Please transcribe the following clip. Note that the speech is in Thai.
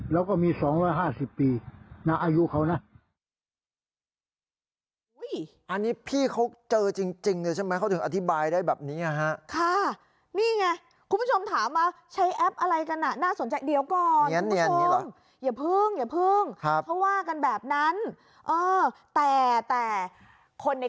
แล้วก็มี๓๐๐ปีแล้วก็มี๒๕๐ปีอายุเขานะ